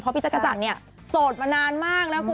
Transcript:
เพราะนี่ต่อพี่จักรจันโสดมานานมากนะคุณ